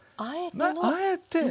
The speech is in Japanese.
あえての。